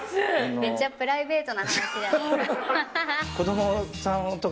めっちゃプライベートな話じゃないですか。